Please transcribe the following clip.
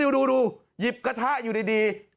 ดูหยิบกระทะอยู่ดี